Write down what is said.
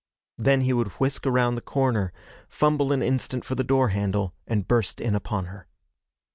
Then he would whisk around the corner, fumble an instant for the door handle, and burst in upon her.